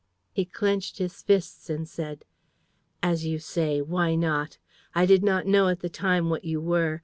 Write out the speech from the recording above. He clenched his fists and said: "As you say, why not? I did not know at the time what you were